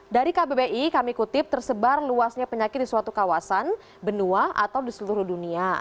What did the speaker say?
dari kbbi kami kutip tersebar luasnya penyakit di suatu kawasan benua atau di seluruh dunia